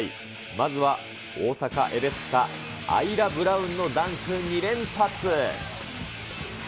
まずは大阪エベッサ、アイラ・ブラウンのダンク２連発。